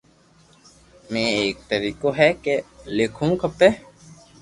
امي ايڪ طريقو ھي ڪي ليکووُ کپي